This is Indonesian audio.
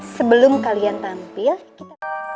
sebelum kalian tampil